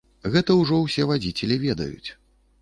Гэта ўжо ўсе вадзіцелі ведаюць.